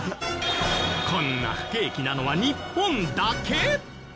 こんな不景気なのは日本だけ！？